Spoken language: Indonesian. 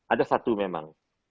ada satu memang